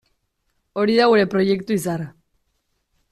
Hori da gure proiektu izarra.